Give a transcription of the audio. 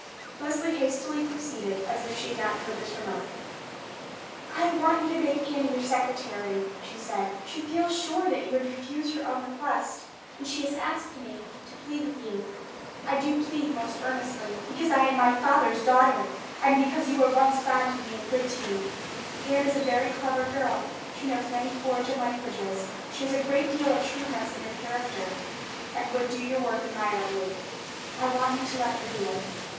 Leslie hastily proceeded, as if she had not heard this remark. "I want you to make Annie your secretary," she said. "She feels sure that you would refuse her own request, and she has asked me to plead with you. I do plead most earnestly. I plead because I am my father's daughter, and because once you were fond of me and good to me. Annie is a very clever girl; she knows many foreign languages, she has a great deal of shrewdness in her character, and would do your work admirably. I want you to let her do it."